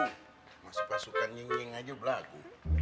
masuk pasukan nying nying saja berlagu